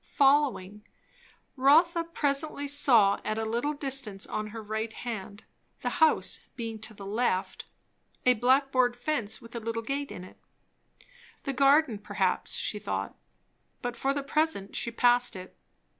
Following 011, Rotha presently saw at a little distance on her right hand, the house being to the left, a black board fence with a little gate in it. The garden perhaps, she thought; but for the present she passed it.